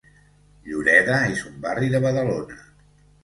Lloreda és un barri de Badalona.